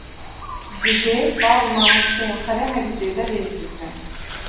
Ji dê, bav û mamosteyên xwe re herî zêde rêz bigre